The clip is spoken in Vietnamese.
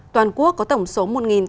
toàn quốc có tổng số